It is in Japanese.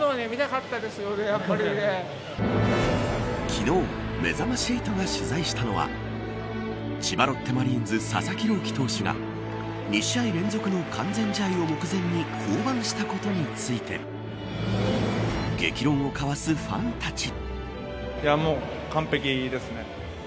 昨日めざまし８が取材したのは千葉ロッテマリーンズ佐々木朗希投手が２試合連続の完全試合を目前に降板したことについて激論を交わすファンたち。